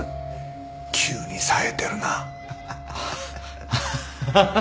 急にさえてるな。ハハハ。